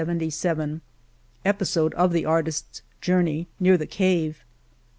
76 Episode of the artisfs journey : Near the cave, .